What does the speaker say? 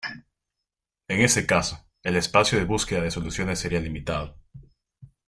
En este caso, el espacio de búsqueda de soluciones sería limitado.